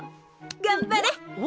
頑張れ！